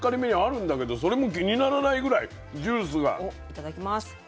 いただきます。